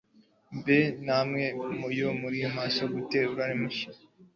Mbe ntwali yo mu masonga ati uraze namashinga